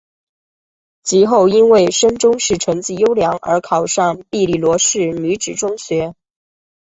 及后因为升中试成绩优良而考上庇理罗士女子中学。